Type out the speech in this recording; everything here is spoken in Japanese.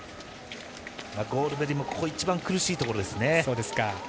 ゴールベリもここが一番苦しいところですね。